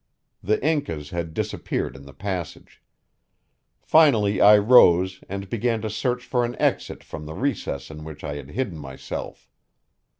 The Incas had disappeared in the passage. Finally I rose and began to search for an exit from the recess in which I had hidden myself.